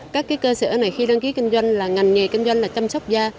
các cơ sở này khi đăng ký kinh doanh là ngành nghề kinh doanh là chăm sóc da